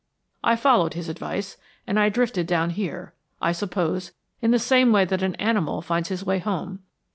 I followed his advice, and I drifted down here, I suppose, in the same way that an animal finds his way home.